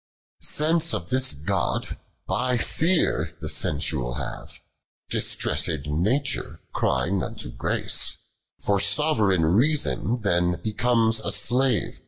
Stance of this (joil, by fear, the sensual have, J)istressed Nature, crying unto Grace ; Fer soveroiga Iteason then becomes a slave.